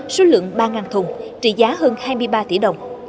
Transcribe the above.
số lượng ba thùng trị giá hơn hai mươi ba tỷ đồng